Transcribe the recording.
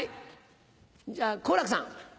じゃあ好楽さん。